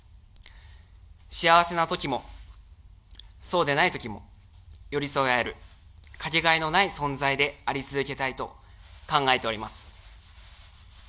幸せなときも、そうでないときも寄り添い合える掛けがえのない存在であり続けたいと考えております。